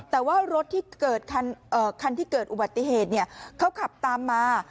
แต่ว่ารถที่เกิดคันที่เกิดอุบัติเหตุเขาขับตามมา